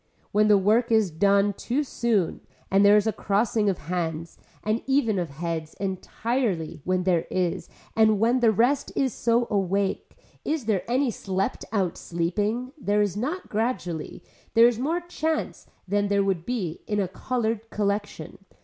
When the work is done too soon and there is a crossing of hands and even of heads entirely when there is and when the rest is so awake, is there any slept out sleeping, there is not gradually, there is more chance than there would be in a colored collection.